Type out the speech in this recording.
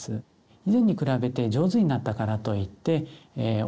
以前に比べて上手になったからといってお子さんがですね